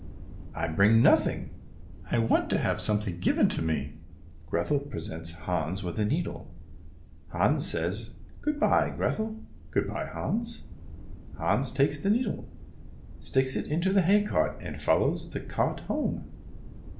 "I bring nothing, I want to have something given me." Grethel presents Hans with a needle. Hans says, "Good bye, Grethel." "Good bye, Hans." Hans takes the needle, sticks it into a hay cart, and follows the cart home.